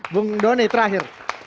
bung doni terakhir